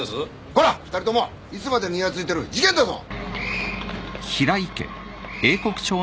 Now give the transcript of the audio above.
コラ２人ともいつまでニヤついてる事件だぞ！